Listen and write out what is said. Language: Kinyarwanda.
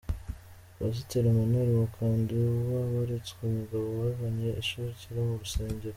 Pasiteri Emmanuel Makandiwa weretswe umugabo wazanye inshoreke mu rusengero.